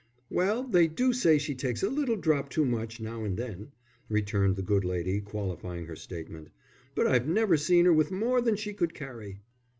"Well, they do say she takes a little drop too much now and then," returned the good lady, qualifying her statement. "But I've never seen 'er with more than she could carry."